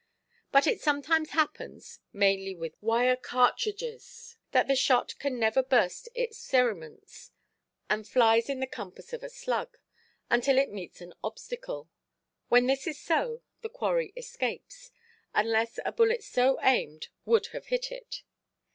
But it sometimes happens, mainly with wire–cartridges, that the shot can never burst its cerements, and flies in the compass of a slug, until it meets an obstacle. When this is so, the quarry escapes; unless a bullet so aimed would have hit it.